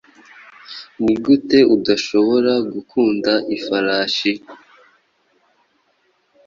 Nigute udashobora gukunda ifarashi?